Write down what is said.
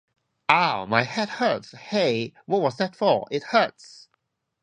Ow, my head hurts, hey, what was that for? It hurts!